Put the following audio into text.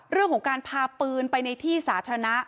เรื่องของการพาปืนไปในที่สาธารณะ